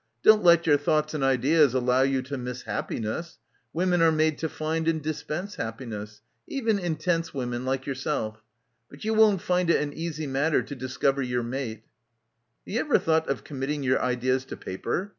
Don't let your thoughts and ideas allow you to miss happiness. Women are made to find and dispense happiness. Even intense women like yourself. But you won't find it an easy matter to discover your mate. "Have you ever thought of committing your ideas to paper?